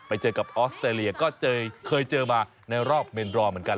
ไปเจอกับออสเตรเลียก็เคยเจอมาในรอบเมนดรอเหมือนกัน